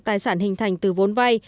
tài sản hình thành từ vốn vai